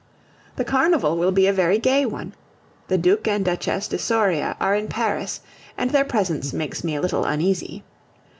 The carnival will be a very gay one. The Duc and Duchesse de Soria are in Paris, and their presence makes me a little uneasy.